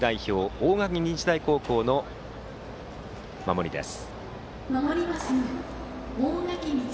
・大垣日大高校の守りです。